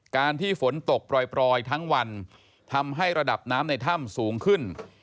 การที่ฝนตกปล่อยทั้งวันทำให้ระดับน้ำในถ้ำสูงขึ้น